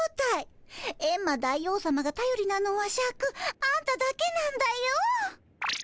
エンマ大王さまがたよりなのはシャクあんただけなんだよ。